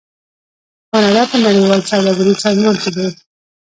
کاناډا په نړیوال سوداګریز سازمان کې دی.